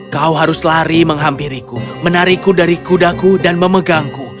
kau harus lari menghampiriku menarikku dari kudaku dan memegangku